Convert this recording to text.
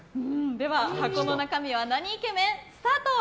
では箱の中身はなにイケメン？スタート。